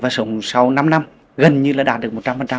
và sống sau năm năm gần như là đạt được một trăm linh